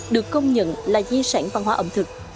được công nhận là di sản văn hóa ẩm thực